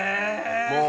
もう。